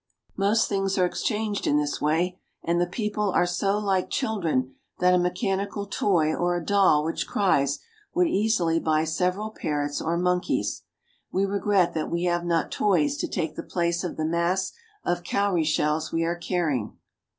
Most things are exchanged in this way ; and the people are so like children that a mechanical toy or a doll which cries would easily buy several parrots or monkeys. We regret we have not toys to take the place of the mass of cowrie shells we are carrying.